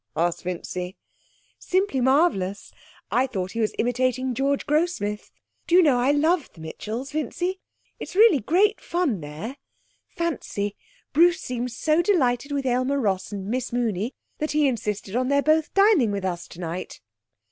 asked Vincy. 'Simply marvellous! I thought he was imitating George Grossmith. Do you know, I love the Mitchells, Vincy. It's really great fun there. Fancy, Bruce seems so delighted with Aylmer Ross and Miss Mooney that he insisted on their both dining with us tonight.'